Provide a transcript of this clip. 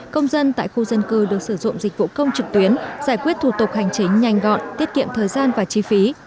công dân tại khu dân cư được sử dụng dịch vụ công trực tuyến giải quyết thủ tục hành chính nhanh gọn tiết kiệm thời gian và chi phí